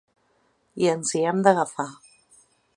I ens hi hem d’agafar.